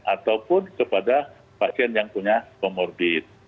ataupun kepada pasien yang punya comorbid